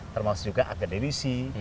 termasuk juga akademisi